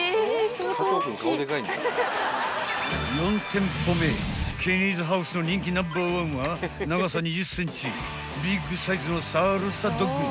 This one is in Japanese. ［４店舗目ケニーズハウスの人気ナンバーワンは長さ２０ｃｍビッグサイズのサルサドッグ］